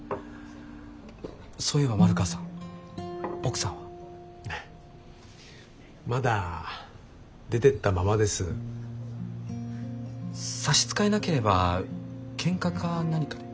そういえば丸川さん奥さんは？まだ出てったままです。差し支えなければけんかか何かで？